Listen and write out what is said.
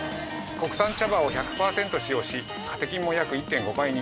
国産茶葉を１００％使用しカテキンも約１．５倍に。